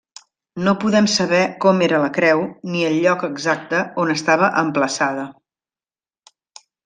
No podem saber com era la creu ni el lloc exacte on estava emplaçada.